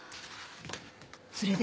それで？